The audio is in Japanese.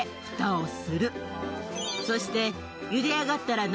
そして。